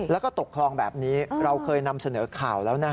แล้วก็ตกคลองแบบนี้เราเคยนำเสนอข่าวแล้วนะฮะ